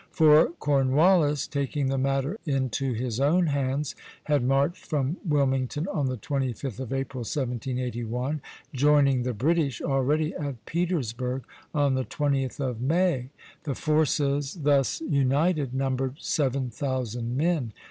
For Cornwallis, taking the matter into his own hands, had marched from Wilmington on the 25th of April, 1781, joining the British already at Petersburg on the 20th of May. The forces thus united numbered seven thousand men.